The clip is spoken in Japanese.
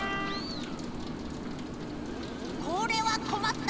これはこまった。